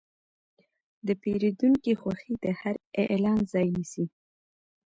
د پیرودونکي خوښي د هر اعلان ځای نیسي.